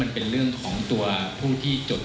มีความรู้สึกว่ามีความรู้สึกว่า